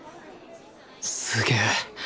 すげえ。